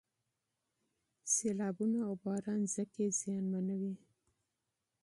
سیلابونه او باران ځمکې زیانمنوي.